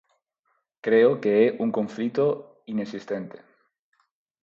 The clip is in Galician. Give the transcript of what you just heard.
Creo que é un conflito inexistente.